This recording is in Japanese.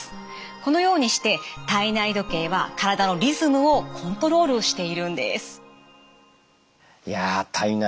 このようにして体内時計は体のリズムをコントロールしているんです。